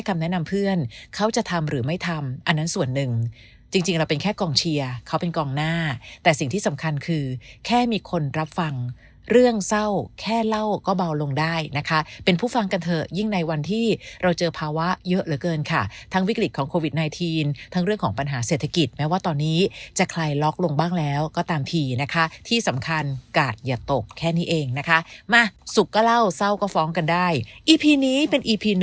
เขาจะทำหรือไม่ทำอันนั้นส่วนหนึ่งจริงเราเป็นแค่กองเชียร์เขาเป็นกองหน้าแต่สิ่งที่สำคัญคือแค่มีคนรับฟังเรื่องเศร้าแค่เล่าก็เบาลงได้นะคะเป็นผู้ฟังกันเถอะยิ่งในวันที่เราเจอภาวะเยอะเหลือเกินค่ะทั้งวิกฤตของโควิด๑๙ทั้งเรื่องของปัญหาเศรษฐกิจแม้ว่าตอนนี้จะใครล็อคลงบ้างแล้